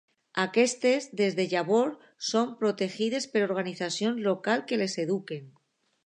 Aquestes, des de llavors, són protegides per organitzacions locals que les eduquen.